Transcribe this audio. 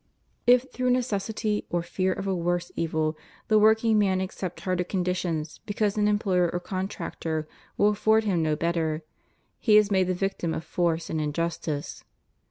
If through necessity or fear of a worse evil the workman accept harder conditions because an employer or contractor will afford him no better, he is made the victim of force and injustice.